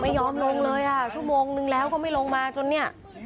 ไม่ยอมลงเลยอ่ะชั่วโมงนึงแล้วก็ไม่ลงมาจนเนี่ย